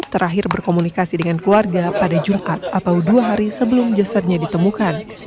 terakhir berkomunikasi dengan keluarga pada jumat atau dua hari sebelum jasadnya ditemukan